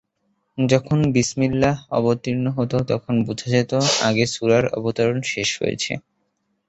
যখন "বিসমিল্লাহ" অবতীর্ণ হতো তখন বোঝা যেত, আগের সূরার অবতরণ শেষ হয়েছে।